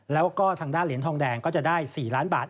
แล้วก็ทางด้านเหรียญทองแดงก็จะได้๔ล้านบาท